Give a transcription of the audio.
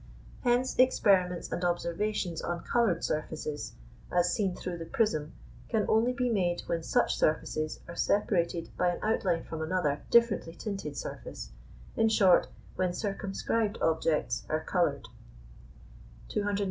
Hence experiments and observations on coloured surfaces, as seen through the prism, can only be made when such surfaces are separated by an outline from another differently tinted surface, in short when circumscribed objects are coloured.